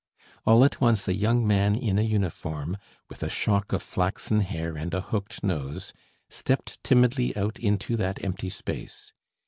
All at once a young man in a uniform, with a shock of flaxen hair and a hooked nose, stepped timidly out into that empty space.